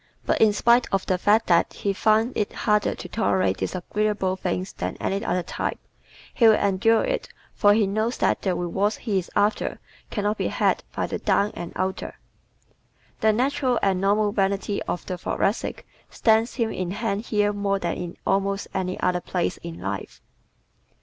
But in spite of the fact that he finds it harder to tolerate disagreeable things than any other type, he will endure it for he knows that the rewards he is after can not be had by the down and outer. The natural and normal vanity of the Thoracic stands him in hand here more than in almost any other place in life.